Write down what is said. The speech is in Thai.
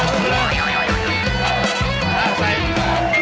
ช้าได้ช้าช้าไป